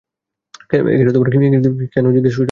কেন জিজ্ঞেস করছ?